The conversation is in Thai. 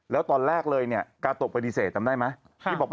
แล้วตอนแรกเลยกาโต๊ะปฏิเสฐจำได้ไหม